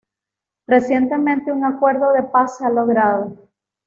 Recientemente, un acuerdo de paz se ha logrado.